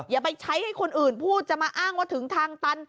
อย่าไปใช้ให้คนอื่นพูดจะมาอ้างว่าถึงทางตัน